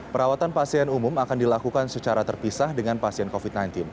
perawatan pasien umum akan dilakukan secara terpisah dengan pasien covid sembilan belas